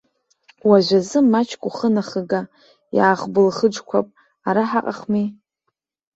Уажәазы маҷк ухы нахыга, иаахбылхыџьқәап, ара ҳаҟахми!